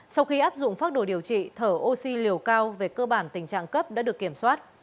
sau khi áp dụng phác đồ điều trị thở oxy liều cao về cơ bản tình trạng cấp đã được kiểm soát